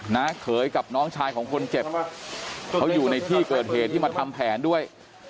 เขยกับน้องชายของคนเจ็บเขาอยู่ในที่เกิดเหตุที่มาทำแผนด้วย